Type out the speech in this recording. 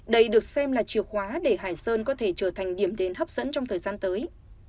đây được xem là chìa khóa để hải sơn có thể trở thành điểm đến hấp dẫn trong thời gian tới